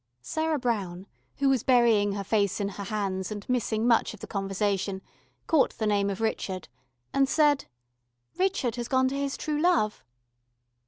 Sarah Brown, who was burying her face in her hands and missing much of the conversation, caught the name of Richard, and said: "Richard has gone to his True Love."